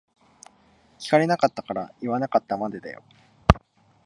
聞かれなかったから言わなかったまでだよ。